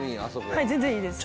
「はい全然いいです」